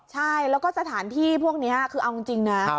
ใช่แล้วก็สถานที่พวกนี้คือเอาจริงนะ